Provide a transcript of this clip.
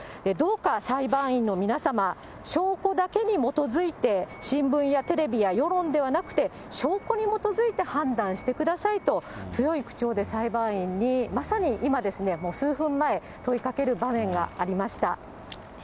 どうか裁判員の皆様、証拠だけに基づいて、新聞やテレビや世論ではなくて、証拠に基づいて判断してくださいと、強い口調で裁判員に、まさに今、もう数分前、分かりました。